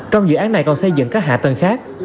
trong dự án này còn xây dựng các hạ tầng khác